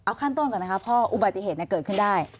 เอาขั้นต้นก่อนนะครับเพราะอุบัติเหตุเนี่ยเกิดขึ้นได้